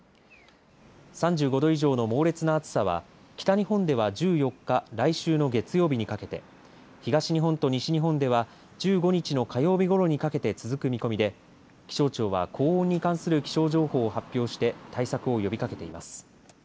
３５度以上の猛烈な暑さは北日本では１４日来週の月曜日にかけて東日本と西日本では１５日の火曜日ごろにかけての続く見込みで気象庁は高温に関する気象情報を発表して対策を呼びかけています。